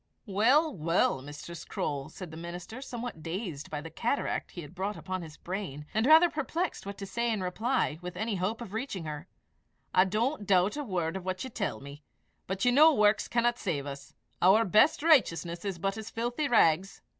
"Well, well, Mistress Croale," said the minister, somewhat dazed by the cataract he had brought upon his brain, and rather perplexed what to say in reply with any hope of reaching her, "I don't doubt a word of what you tell me; but you know works cannot save us; our best righteousness is but as filthy rags."